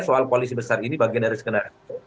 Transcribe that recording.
soal koalisi besar ini bagian dari skenario